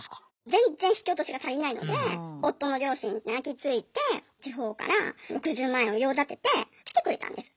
全然引き落としが足りないので夫の両親に泣きついて地方から６０万円を用立てて来てくれたんです。